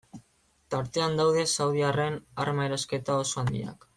Tartean daude saudiarren arma erosketa oso handiak.